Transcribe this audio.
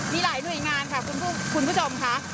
มีหลายหน่วยงานค่ะคุณผู้ชมค่ะ